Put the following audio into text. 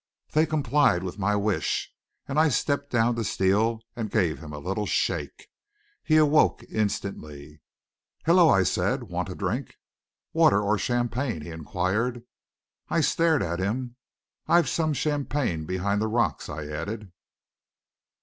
They complied with my wish, and I stepped down to Steele and gave him a little shake. He awoke instantly. "Hello!" I said, "Want a drink?" "Water or champagne?" he inquired. I stared at him. "I've some champagne behind the rocks," I added.